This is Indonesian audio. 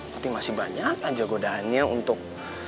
tapi masih banyak aja godaannya untuk